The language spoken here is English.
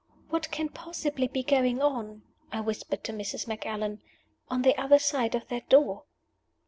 "What can possibly be going on," I whispered to Mrs. Macallan, "on the other side of that door?"